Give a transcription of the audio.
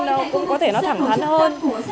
nó cũng có thể nó thẳng thắn hơn